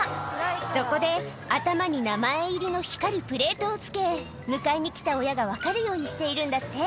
そこで、頭に名前入りの光るプレートをつけ、迎えに来た親が分かるようにしているんだって。